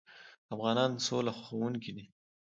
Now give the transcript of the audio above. افغانان سوله خوښوونکي دي.